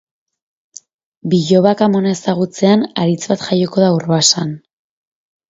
Bilobak amona ezagutzean haritz bat jaioko da Urbasan.